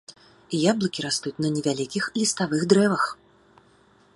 Яблыкі растуць на невялікіх ліставых дрэвах.